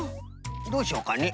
どうしようかね。